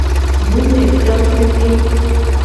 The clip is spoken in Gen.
Numeklotike.